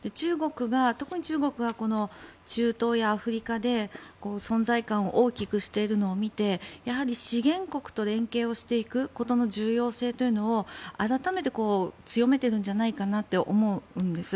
特に中国が中東やアフリカで存在感を大きくしているのを見てやはり資源国と連携をしていくことの重要性というのを改めて強めてるんじゃないかなって思うんです。